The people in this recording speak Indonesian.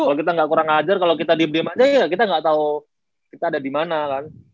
kalo kita gak kurang ajar kalo kita diem diem aja ya kita gak tau kita ada dimana kan